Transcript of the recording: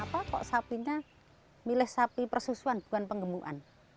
apa kok sapinya milih sapi persusuan bukan penggemuan